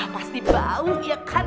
pasti bau ya kan